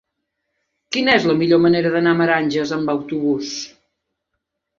Quina és la millor manera d'anar a Meranges amb autobús?